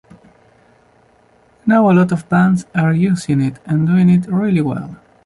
Now a lot of bands are using it, and doing it really well.